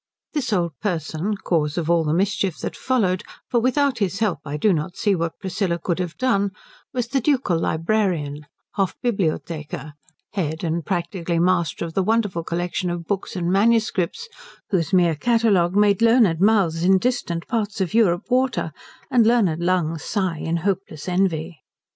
This old person, cause of all the mischief that followed, for without his help I do not see what Priscilla could have done, was the ducal librarian Hofbibliothekar, head, and practically master of the wonderful collection of books and manuscripts whose mere catalogue made learned mouths in distant parts of Europe water and learned lungs sigh in hopeless envy.